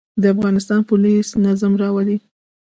د افغانستان پولیس نظم راولي